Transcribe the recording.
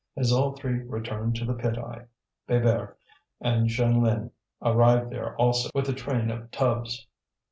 As all three returned to the pit eye, Bébert and Jeanlin arrived there also with a train of tubs.